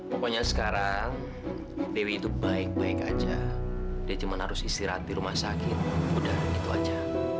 pokoknya sekarang dewi itu baik baik aja dia cuma harus istirahat di rumah sakit udah gitu aja